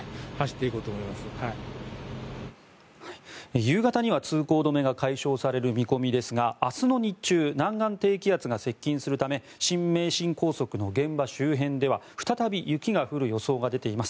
夕方には通行止めが解消される見込みですが明日の日中、南岸低気圧が接近するため新名神高速の現場周辺では再び雪が降る予想が出ています。